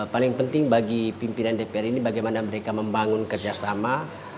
paling penting bagi pimpinan dpr ini bagaimana mereka membangun kerjasama